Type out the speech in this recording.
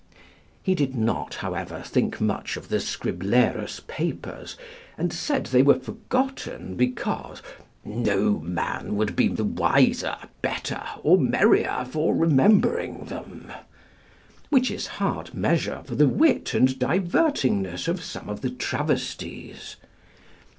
He did not, however, think much of the 'Scriblerus' papers, and said they were forgotten because "no man would be the wiser, better, or merrier for remembering them"; which is hard measure for the wit and divertingness of some of the travesties.